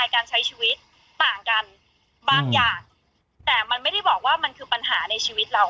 การใช้ชีวิตต่างกันบางอย่างแต่มันไม่ได้บอกว่ามันคือปัญหาในชีวิตเรา